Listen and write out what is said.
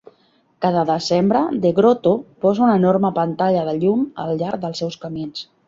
Cada desembre The Grotto posa una enorme pantalla de llum al llarg dels seus camins.